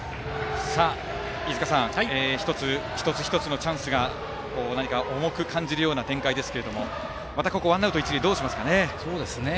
飯塚さん、一つ一つのチャンスが何か重く感じるような展開ですがここはワンアウト一塁どうしますかね。